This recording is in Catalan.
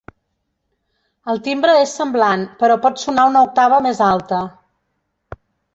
El timbre és semblant, però pot sonar una octava més alta.